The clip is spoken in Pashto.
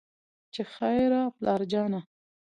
چې خېره پلار جانه